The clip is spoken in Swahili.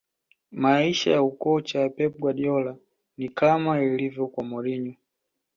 maisha ya ukocha ya pep guardiola ni kama ilivyo kwa mourinho